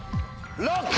ＬＯＣＫ！